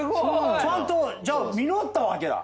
ちゃんとじゃあ実ったわけだ。